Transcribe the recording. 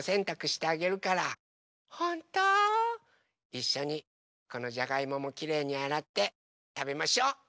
いっしょにこのじゃがいももきれいにあらってたべましょう。